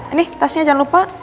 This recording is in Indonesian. ini tasnya jangan lupa